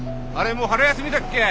もう春休みだっけ？